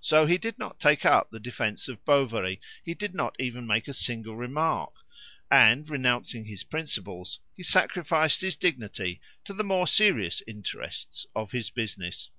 So he did not take up the defence of Bovary; he did not even make a single remark, and, renouncing his principles, he sacrificed his dignity to the more serious interests of his business.